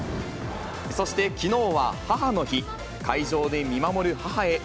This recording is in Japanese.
そしてきのうは母の日。